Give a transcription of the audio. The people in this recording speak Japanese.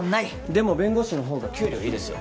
でも弁護士のほうが給料いいですよ。